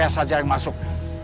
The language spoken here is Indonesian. artaya saja yang masuk